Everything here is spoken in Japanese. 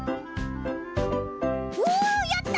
おやった！